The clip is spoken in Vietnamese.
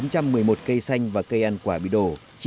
bốn trăm một mươi một cây xanh và cây ăn quả bị đổ